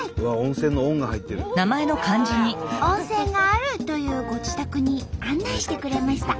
温泉があるというご自宅に案内してくれました。